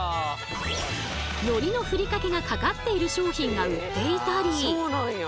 のりのふりかけがかかっている商品が売っていたり。